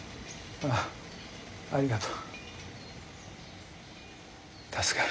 ああありがとう。